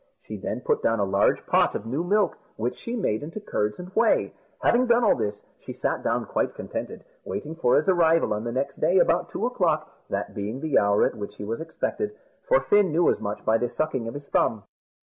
She then put down a large pot of new milk, which she made into curds and whey. Having done all this, she sat down quite contented, waiting for his arrival on the next day about two o'clock, that being the hour at which he was expected for Fin knew as much by the sucking of his thumb.